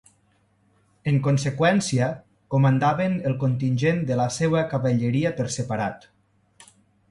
En conseqüència, comandaven el contingent de la seva cavalleria per separat.